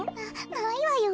ないわよ。